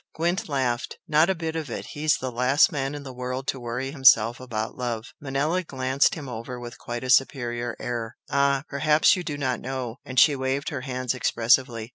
Gwent laughed. "Not a bit of it! He's the last man in the world to worry himself about love!" Manella glanced him over with quite a superior air. "Ah, perhaps you do not know!" And she waved her hands expressively.